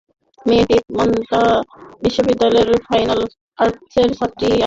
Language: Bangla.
মেয়েটি মন্টানা বিশ্ববিদ্যালয়ের ফাইন আর্টসের ছাত্রী-স্প্যানিশ আমেরিকান।